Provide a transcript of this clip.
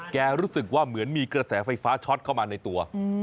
รู้สึกว่าเหมือนมีกระแสไฟฟ้าช็อตเข้ามาในตัว